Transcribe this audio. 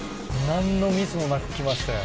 何のミスもなく来ましたよ。